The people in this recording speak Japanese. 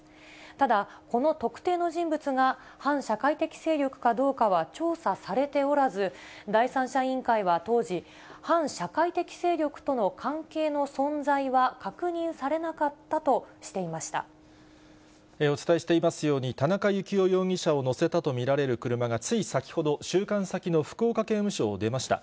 ただこの特定の人物が、反社会的勢力かどうかは調査されておらず、第三者委員会は当時、反社会的勢力との関係の存在は確認されなかお伝えしていますように、田中幸雄容疑者を乗せたと見られる車がつい先ほど、収監先の福岡刑務所を出ました。